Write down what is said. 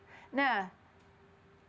cara cara seperti inilah istilahnya